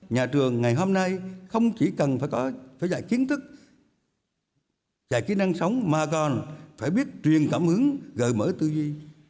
nhà trường ngày hôm nay không chỉ cần phải dạy kiến thức dạy kỹ năng sống mà còn phải biết truyền cảm hứng gợi mở tư duy